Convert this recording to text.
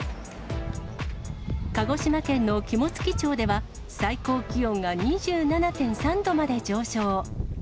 鹿児島県の肝付町では、最高気温が２７．３度まで上昇。